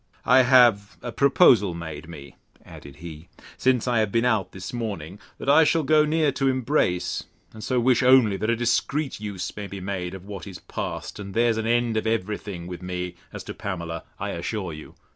I have a proposal made me, added he, since I have been out this morning, that I shall go near to embrace; and so wish only, that a discreet use may be made of what is past; and there's an end of every thing with me, as to Pamela, I'll assure you.